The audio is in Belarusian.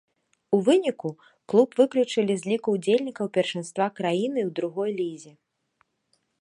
У выніку, клуб выключылі з ліку ўдзельнікаў першынства краіны ў другой лізе.